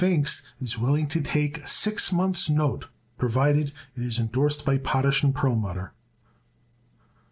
"Pfingst is willing to take a six months' note provided it is indorsed by Potash & Perlmutter."